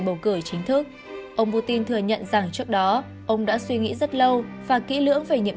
bầu cử chính thức ông putin thừa nhận rằng trước đó ông đã suy nghĩ rất lâu và kỹ lưỡng về nhiệm